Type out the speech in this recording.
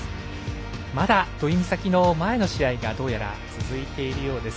まだ土居美咲の前の試合がどうやら続いているようです。